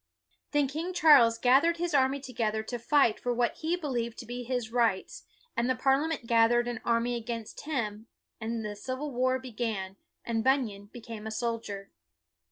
Then King Charles gathered his army together to fight for what he believed to be his rights, and the Parliament gathered an army against him, and the civil war be gan, and Bunyan became a soldier.